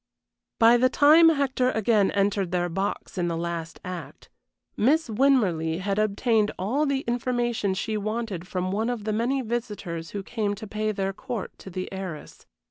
By the time Hector again entered their box in the last act, Miss Winmarleigh had obtained all the information she wanted from one of the many visitors who came to pay their court to the heiress.